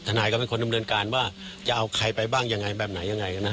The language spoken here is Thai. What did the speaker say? นายก็เป็นคนดำเนินการว่าจะเอาใครไปบ้างยังไงแบบไหนยังไงนะ